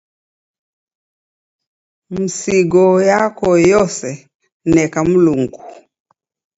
W'asi ghwako ghose, misigo yako yose, neka Mlungu.